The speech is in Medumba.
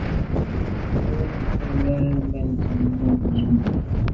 Bə̌k gə̀ mə́ lódə́ bə̀ncìn mbā bū cʉ lá.